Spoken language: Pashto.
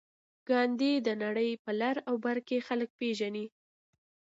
ګاندي د نړۍ په لر او بر کې خلک پېژني.